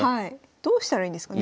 どうしたらいいんですかね。